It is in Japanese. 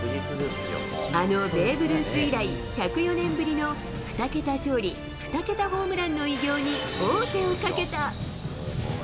あのベーブ・ルース以来、１０４年ぶりの２桁勝利、２桁ホームランの偉業に王手をかけた。